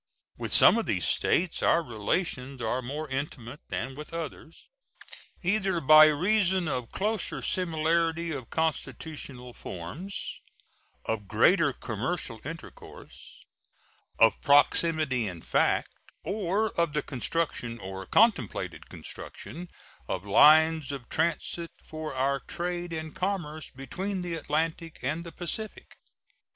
With some of these States our relations are more intimate than with others, either by reason of closer similarity of constitutional forms, of greater commercial intercourse, of proximity in fact, or of the construction or contemplated construction of lines of transit for our trade and commerce between the Atlantic and the Pacific.